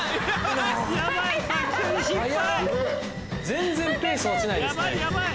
全然ペース落ちないですね。